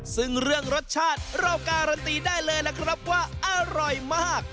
ซึ่งเรื่องรสชาติเราการันตีได้เลยนะครับว่าอร่อยมาก